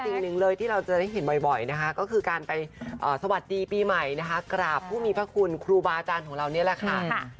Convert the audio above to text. สิ่งหนึ่งเลยที่เราจะได้เห็นบ่อยนะคะก็คือการไปสวัสดีปีใหม่นะคะกราบผู้มีพระคุณครูบาอาจารย์ของเรานี่แหละค่ะ